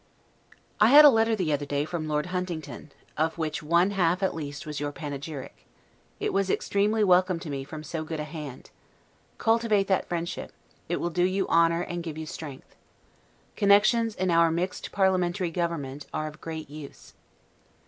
I had a letter the other day from Lord Huntingdon, of which one half at least was your panegyric; it was extremely welcome to me from so good a hand. Cultivate that friendship; it will do you honor and give you strength. Connections, in our mixed parliamentary government, are of great use.